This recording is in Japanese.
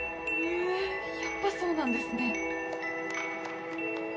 えっやっぱそうなんですね。